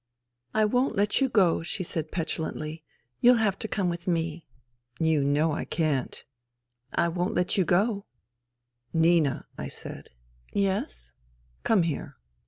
*' I won't let you go," she said petulantly. " You'll have to come with me." " You know I can't." " I won't let you go." "Nina," I said. '* Yes ?"" Come here."